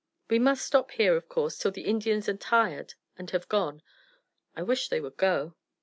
We must stop here, of course, till the Indians are tired and have gone. I wish they would go."